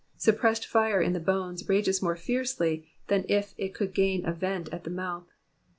Suppressed fire in the oones rages more fiercely than if it could gain a vent at the mouth.